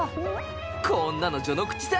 こんなの序の口さ。